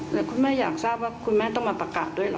แล้วคุณแม่อยากทราบว่าคุณแม่ต้องมาประกาศด้วยเหรอ